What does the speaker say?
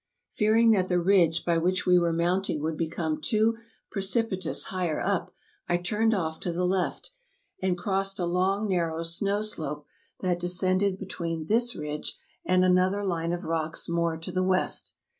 Fearing that the ridge by which we were mounting would become too precipitous higher up, I turned off to the left, and crossed a long, narrow snow slope that descended between this ridge and another line of rocks more to the west.